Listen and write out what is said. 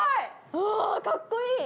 あかっこいい！